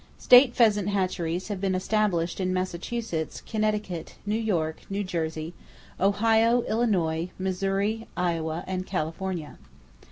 State pheasant hatcheries have been established in Massachusetts, Connecticut, New York, New Jersey, Ohio, Illinois, Missouri, Iowa and California.